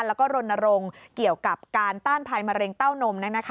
แล้วก็รณรงค์เกี่ยวกับการต้านภัยมะเร็งเต้านม